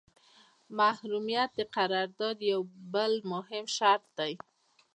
محرمیت د قرارداد یو بل مهم شرط دی.